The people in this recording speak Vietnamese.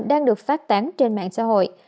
đang được phát tán trên mạng xã hội